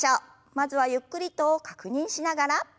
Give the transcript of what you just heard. まずはゆっくりと確認しながら。